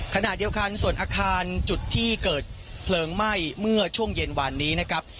ขณะเดียวกันส่วนอาคารจุดที่เกิดเพลิงไหม้เมื่อช่วงเย็นวานนี้นะครับ